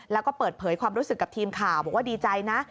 แล้วก็เปิดเผยความรู้สึกกับทีมข่าวบอกว่าดีใจนะ